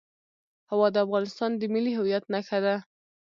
هوا د افغانستان د ملي هویت نښه ده.